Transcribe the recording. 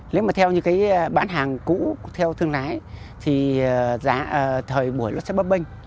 nếu mà theo những cái bán hàng cũ theo thương lái thì giá thời buổi nó sẽ bấp bênh